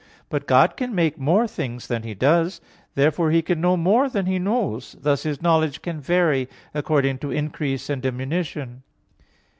But God can make more than He does. Therefore He can know more than He knows. Thus His knowledge can vary according to increase and diminution.